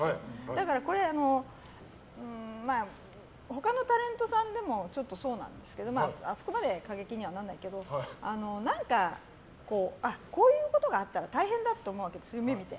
だから、他のタレントさんでもそうなんですけどあそこまで過激にはならないけど何かこういうことがあったら大変だって思うわけ夢を見て。